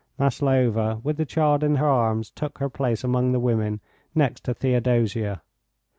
Maslova with the child in her arms took her place among the women next to Theodosia.